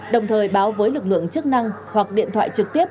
đồng thời báo với lực lượng chức năng hoặc điện thoại trực tiếp